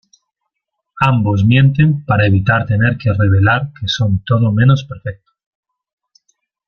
Ambos mienten para evitar tener que revelar que son todo menos perfectos.